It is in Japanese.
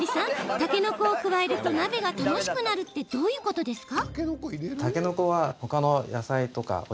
たけのこを加えると鍋が楽しくなるってどういうことですか？